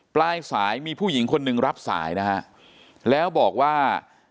ปลายสายมีผู้หญิงคนหนึ่งรับสายนะฮะแล้วบอกว่า